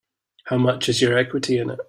How much is your equity in it?